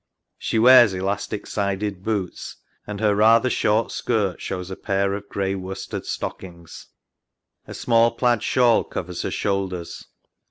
She wears elastic sided boots, and her rather short skirt shows a pair of grey worsted stockings. A small plaid shawl covers her shoulders.